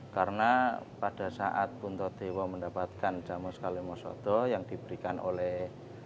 karena pada saat punta dewa mendapatkan jamus kalimah sada yang diberikan oleh